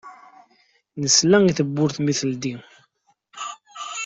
Nesla i tewwurt mi teldi.